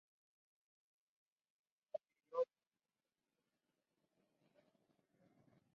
Estas son algunas de las primeras grabaciones hechas de música africana tradicional.